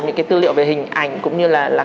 những cái tư liệu về hình ảnh cũng như là